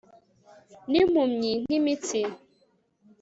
Nimpumyi nkimitsi